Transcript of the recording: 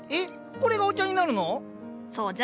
これがお茶になるの⁉そうじゃ。